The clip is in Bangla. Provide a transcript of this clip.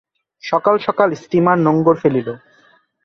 সকাল-সকাল স্টীমার নোঙর ফেলিল।